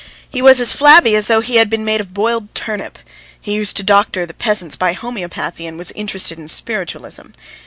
He was as flabby as though he had been made of boiled turnip; he used to doctor the peasants by homeopathy and was interested in spiritualism.